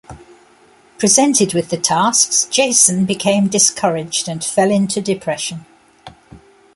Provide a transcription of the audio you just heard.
Presented with the tasks, Jason became discouraged and fell into depression.